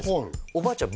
おばあちゃん